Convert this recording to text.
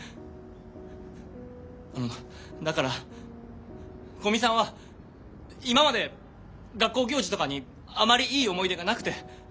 あのだから古見さんは今まで学校行事とかにあまりいい思い出がなくて。